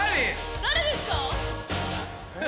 誰ですか？